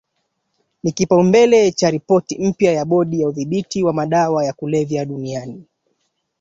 ni kipaumbele cha ripoti mpya ya Bodi ya udhibiti wa madawa ya kulevya duniani